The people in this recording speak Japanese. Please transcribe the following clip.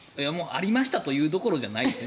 ありましたというどころじゃないです。